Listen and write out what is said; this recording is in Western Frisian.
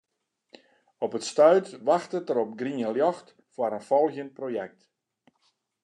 Op it stuit wachtet er op grien ljocht foar in folgjend projekt.